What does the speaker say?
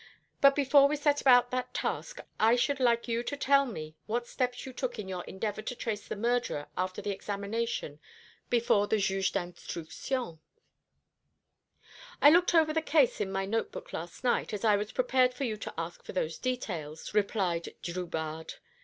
But before we set about that task, I should like you to tell me what steps you took in your endeavour to trace the murderer after the examination before the Juge d'Instruction." "I looked over the case in my note book last night, as I was prepared for you to ask for those details," replied Drubarde.